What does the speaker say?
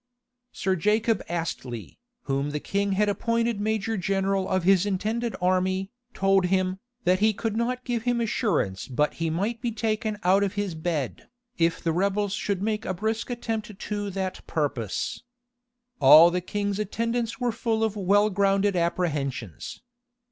[*] Sir Jacob Astley, whom the king had appointed major general of his intended army, told him, that he could not give him assurance but he might be taken out of his bed, if the rebels should make a brisk attempt to that purpose. All the king's attendants were full of well grounded apprehensions.